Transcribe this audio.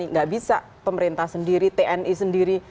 nggak bisa pemerintah sendiri tni sendiri